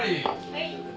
はい。